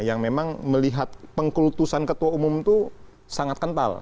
yang memang melihat pengkultusan ketua umum itu sangat kental